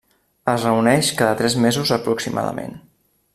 Es reuneix cada tres mesos aproximadament.